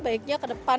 baiknya ke depan